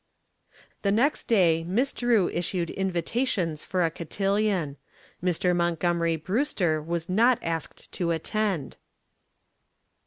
The next day Miss Drew issued invitations for a cotillon. Mr. Montgomery Brewster was not asked to attend.